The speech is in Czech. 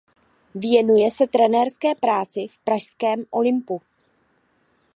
Věnuje se trenérské práci v pražském Olympu.